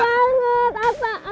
seru banget apa